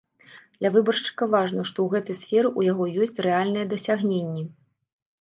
Для выбаршчыка важна, што ў гэтай сферы ў яго ёсць рэальныя дасягненні.